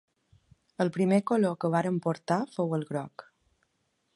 El primer color que vàrem portar fou el groc.